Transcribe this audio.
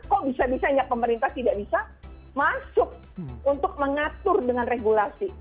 kok bisa bisanya pemerintah tidak bisa masuk untuk mengatur dengan regulasi